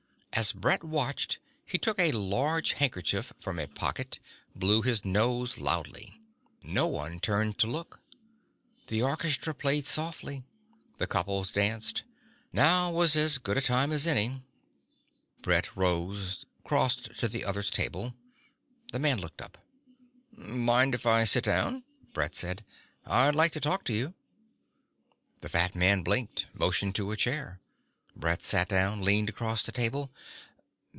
As Brett watched he took a large handkerchief from a pocket, blew his nose loudly. No one turned to look. The orchestra played softly. The couples danced. Now was as good a time as any ... Brett rose, crossed to the other's table. The man looked up. "Mind if I sit down?" Brett said. "I'd like to talk to you." The fat man blinked, motioned to a chair. Brett sat down, leaned across the table.